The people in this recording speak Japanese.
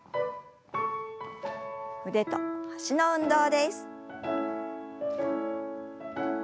腕と脚の運動です。